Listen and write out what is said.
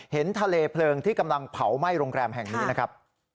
เห็นทะเลเพลิงที่กำลังเผาไหม้โรงแรมแห่งนี้นะครับ